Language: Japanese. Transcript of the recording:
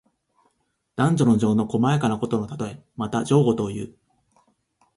男女の情の細やかなことのたとえ。また、情事をいう。